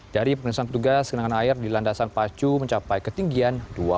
dari penyelesaian petugas genangan air di landasan pacu mencapai ketinggian dua puluh lima cm